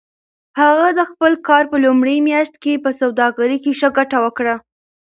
هغه د خپل کار په لومړۍ میاشت کې په سوداګرۍ کې ښه ګټه وکړه.